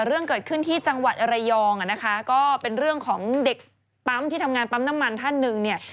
เรื่องเกิดขึ้นที่จังหวัดระยองอ่ะนะคะก็เป็นเรื่องของเด็กปั๊มที่ทำงานปั๊มน้ำมันท่านหนึ่งเนี่ย